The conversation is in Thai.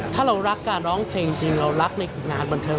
ถ้าเรารักการร้องเพลงจริงเรารักในงานบันเทิง